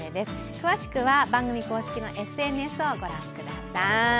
詳しくは番組公式のＳＮＳをご覧ください。